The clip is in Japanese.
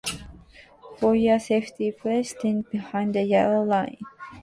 For your safety, please stand behind the yellow line.